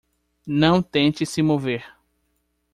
Não tente se mover.